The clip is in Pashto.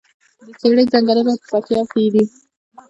د څیړۍ ځنګلونه په پکتیا کې دي؟